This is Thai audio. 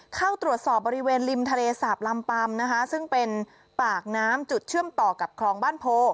เข้าตรวจสอบบริเวณริมทะเลสาบลำปัมนะคะซึ่งเป็นปากน้ำจุดเชื่อมต่อกับคลองบ้านโพ